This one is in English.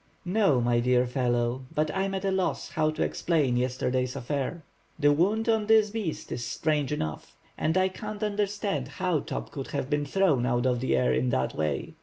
"No, my dear fellow, and I am at a loss how to explain yesterday's affair." "The wound on this beast is strange enough, and I can't understand how Top could have been thrown out of the water in that way.